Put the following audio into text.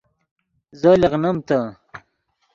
زو لیغنیم تے